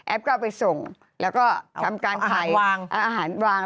ก็เอาไปส่งแล้วก็ทำการขายอาหารวาง